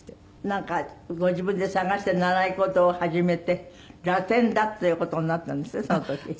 なんかご自分で探して習い事を始めてラテンだという事になったんですって？